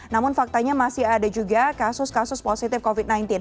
namun faktanya masih ada juga kasus kasus positif covid sembilan belas